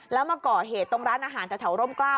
แล้วมาก่อเหตุตรงร้านอาหารแถวร่มกล้าว